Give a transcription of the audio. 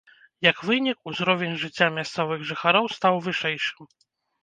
Як вынік, узровень жыцця мясцовых жыхароў стаў вышэйшым.